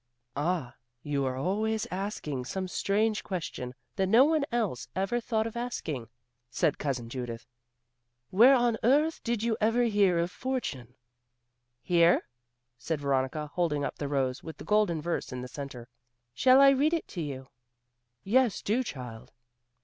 "Ah, you are always asking some strange question that no one else ever thought of asking;" said Cousin Judith, "where on earth did you ever hear of fortune?" "Here," said Veronica, holding up the rose with the golden verse in the centre. "Shall I read it to you?" "Yes, do, child."